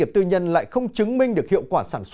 chân thành cảm ơn giáo sư